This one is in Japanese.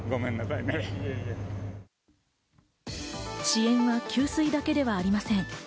支援は給水だけではありません。